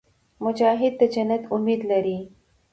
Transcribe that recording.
مجاهد د جنت امید لري.